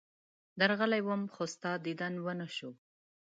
درغلی وم، خو ستا دیدن ونه شو.